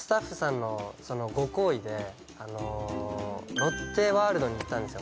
ロッテワールドに行ったんですよ